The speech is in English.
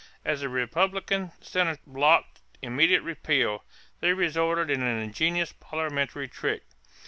As a Republican Senate blocked immediate repeal, they resorted to an ingenious parliamentary trick.